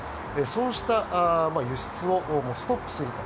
そうした輸出をストップすると。